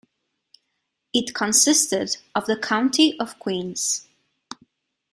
It consisted of the County of Queen's.